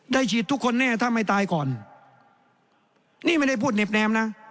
ฉีดทุกคนแน่ถ้าไม่ตายก่อนนี่ไม่ได้พูดเน็บแนมนะ